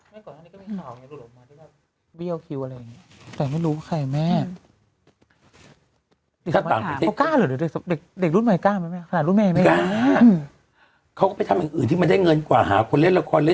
ไม่ก่อนนั้นก็มีข่าวอยู่หลบว่าได้แบบเบี้ยวคิวอะไรอย่างนี้แต่ไม่รู้ว่าใครแม่